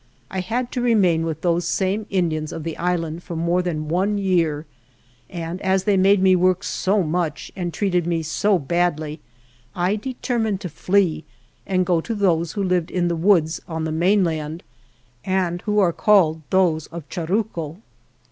I had to remain with those same Indians of the island for more than one year, and as they made me work so much and treated me so badly I determined to flee and go to those who live in the woods 73 THE JOURNEY OF on the mainland, and who are called those from (of) Charruco.